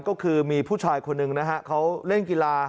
ก็คือมีผู้ชายคนหนึ่งนะฮะเขาเล่นกีฬา